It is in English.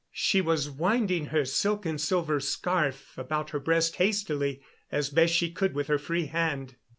She was winding her silken silver scarf about her breast hastily, as best she could with her free hand.